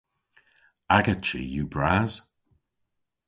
Aga chi yw bras!